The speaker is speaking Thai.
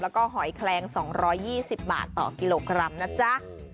แล้วก็หอยแคลงสองร้อยยี่สิบบาทต่อกิโลกรัมนะจ๊ะ